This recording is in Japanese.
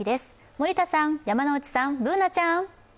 森田さん、山内さん、Ｂｏｏｎａちゃん。